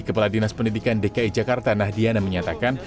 kepala dinas pendidikan dki jakarta nahdiana menyatakan